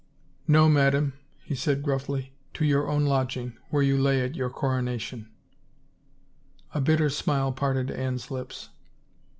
" No, madame," he said gruffly, " to your own lodging, where you lay at your coronation." A bitter smile parted Anne's lips.